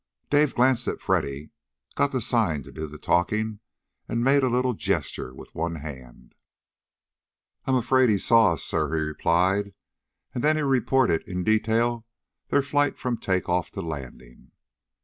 Dave glanced at Freddy, got the sign to do the talking, and made a little gesture with one hand. "I'm afraid he saw us, sir," he replied. And then he reported in detail their flight from take off to landing.